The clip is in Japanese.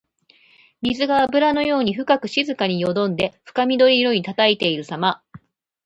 水があぶらのように深く静かによどんで深緑色にたたえているさま。